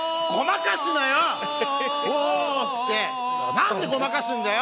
なんでごまかすんだよ！